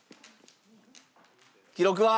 記録は？